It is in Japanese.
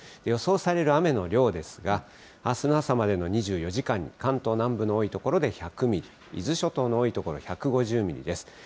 予想される雨の量ですが、あすの朝までの２４時間に関東南部の多い所で１００ミリ、伊豆諸島の多い所１５０ミリです。